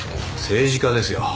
政治家ですよ。